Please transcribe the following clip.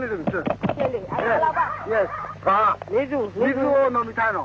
水を飲みたいの！